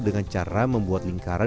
dengan cara membuat lingkaran